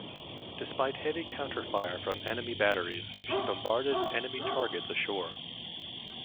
Despite heavy counter fire from enemy batteries, she bombarded enemy targets ashore.